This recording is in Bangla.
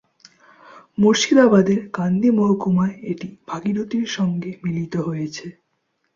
মুর্শিদাবাদের কান্দি মহকুমায় এটি ভাগীরথীর সঙ্গে মিলিত হয়েছে।